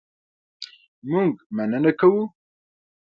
مونږ مننه کوو